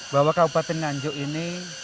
bahwa kabupaten nganjuk ini